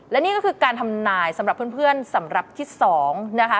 และนี่ก็คือการทำนายสำหรับเพื่อนสำหรับคิด๒นะคะ